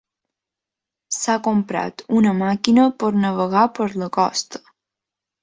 S'ha comprat una màquina per navegar per la costa.